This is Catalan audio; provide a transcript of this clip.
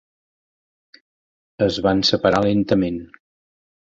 Es van separar lentament.